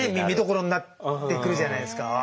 見どころになってくるじゃないですか。